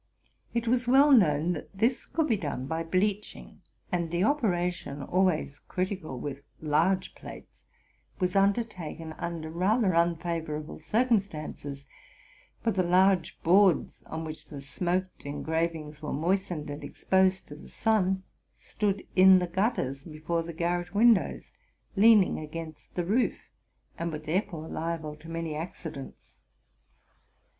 It was well known that this could be done by bleaching: and the operation, always critical with large plates, was undertaken under rather unfavorable cir cumstances; for the large boards, on which the smoked engravings were moistened and exposed to the sun, stood in the gutters before the garret windows, leaning against the roof, and were therefore hable to many accidents.